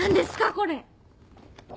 これ。